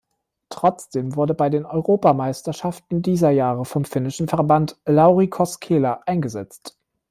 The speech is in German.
Trotzdem wurde bei den Europameisterschaften dieser Jahre vom finnischen Verband Lauri Koskela eingesetzt.